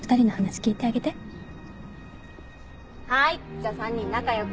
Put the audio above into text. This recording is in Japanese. じゃあ３人仲良く。